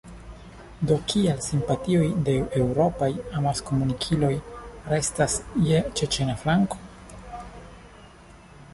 Do kial simpatioj de eŭropaj amaskomunikiloj restas je ĉeĉena flanko?